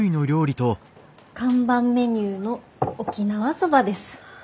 看板メニューの沖縄そばです。